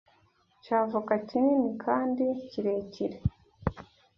cya avoka kinini kandi kirekire